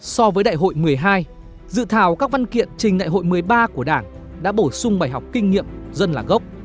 so với đại hội một mươi hai dự thảo các văn kiện trình đại hội một mươi ba của đảng đã bổ sung bài học kinh nghiệm dân là gốc